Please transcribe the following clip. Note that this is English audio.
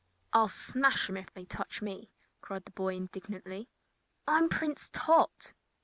"I'll smash 'em if they touch me!" cried the boy, indignantly; "I'm Prince Tot."